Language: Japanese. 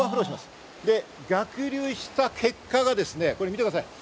で逆流した結果が、見てください。